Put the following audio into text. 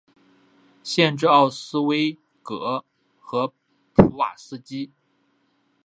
县治奥斯威戈和普瓦斯基。